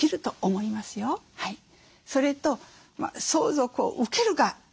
それと相続を受ける側。